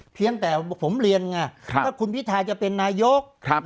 เพียงแต่ผมเรียนไงว่าคุณพิทาจะเป็นนายก